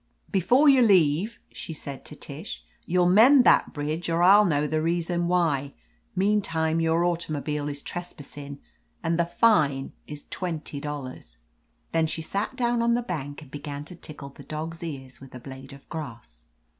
"Before you leave," she said to Tish, "you'll mend that bridge or FU know the reason why. Meantime your automobile is trespassin', and the fine is twenty dollars." Then she sat down on the bank and began to tickle the dog's ears with a blade of grass.